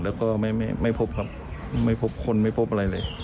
แล้วก็ไม่พบครับไม่พบคนไม่พบอะไรเลย